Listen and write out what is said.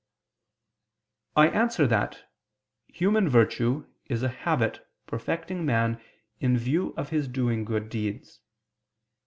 I answer that, Human virtue is a habit perfecting man in view of his doing good deeds.